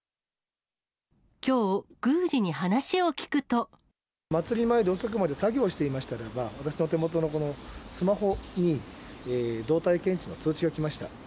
きょう、祭り前で遅くまで作業をしていましたらば、私の手元のスマホに動体検知の通知が来ました。